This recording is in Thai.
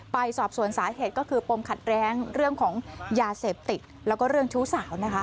ไปสอบสวนสาเหตุก็คือปมขัดแย้งเรื่องของยาเสพติดแล้วก็เรื่องชู้สาวนะคะ